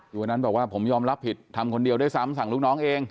วันนั้นบอกว่าผมยอมรับผิดทำคนเดียวด้วยซ้ำสั่งลูกน้องเอง